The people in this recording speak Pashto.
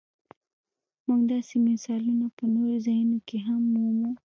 موږ داسې مثالونه په نورو ځایونو کې هم مومو.